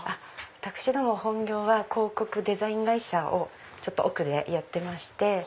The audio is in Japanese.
私ども本業は広告デザイン会社を奥でやってまして。